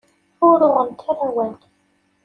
Ur uɣent ara awal.